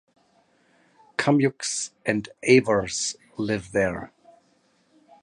Kumyks and Avars live there.